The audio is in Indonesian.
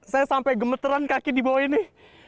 saya sampai gemeteran kaki di bawah ini